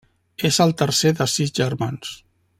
És el tercer de sis germans.